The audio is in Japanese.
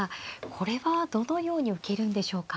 これはどのように受けるんでしょうか。